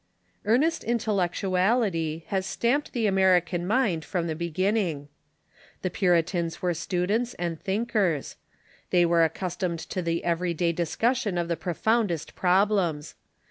Earnest intellectuality has stamped the American mind from the beginning. The Puritans were students and think ers. They were accustomed to the every day Intellectual Life •* r ^i <• i ^ n Vp, discussion oi the proroundest problems.